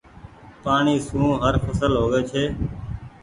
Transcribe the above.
پآڻيٚ سون هر ڦسل هووي ڇي۔